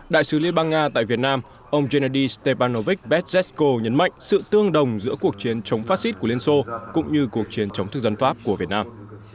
đại sứ liên bang nga tại việt nam ông gennady stepanovich bezhesko nhấn mạnh sự tương đồng giữa cuộc chiến chống fascist của liên xô cũng như cuộc chiến chống thức dân pháp của việt nam